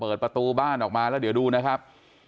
เปิดประตูบ้านออกมาแล้วเดี๋ยวดูนะครับ